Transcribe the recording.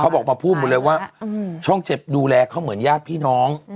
บอกมาพูดหมดเลยว่าช่องเจ็บดูแลเขาเหมือนญาติพี่น้อง